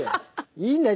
いいんだよ